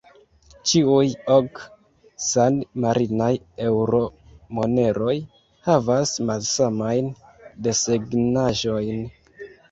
Ĉiuj ok san-marinaj eŭro-moneroj havas malsamajn desegnaĵojn.